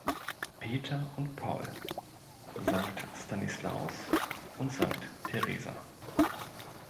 Peter und Paul, Sankt Stanislaus und Sankt Theresa.